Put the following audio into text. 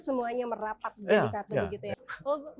semuanya merapat dari saat tadi gitu ya